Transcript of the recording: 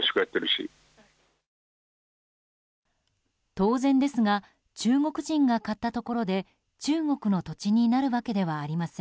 当然ですが中国人が買ったところで中国の土地になるわけではありません。